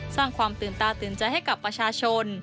สร้างความตื่นตาตื่นใจให้กับประชาชน